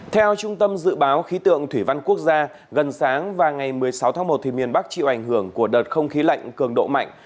theo trung tâm dự báo khí tượng thủy văn quốc gia gần sáng và ngày một mươi sáu tháng một thì miền bắc chịu ảnh hưởng của đợt không khí lạnh cường độ mạnh